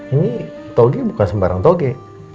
ini toge bukan sembarang toge